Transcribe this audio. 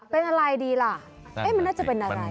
เป็นอะไรดีล่ะมันน่าจะเป็นอะไร